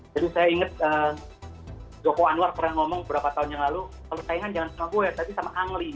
jadi saya ingat joko anwar pernah ngomong beberapa tahun yang lalu kalau saingan jangan sama gue tapi sama angli